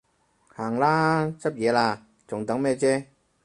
行啦，執嘢喇，仲等咩啫？